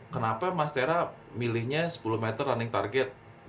kenapa mas tera milihnya sepuluh meter running target